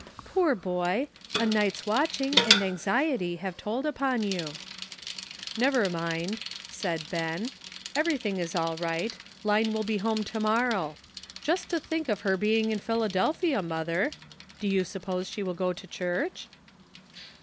"Poor boy! a night's watch ing and anxiety have told upon you." " Never mind," said Ben, " everything is all right; Line will be home to morrow. Just to think of her being in Philadelphia, mother ! Do you suppose she will go to church